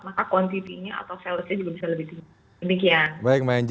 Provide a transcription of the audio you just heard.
maka kuantitinya atau salesnya juga bisa lebih tinggi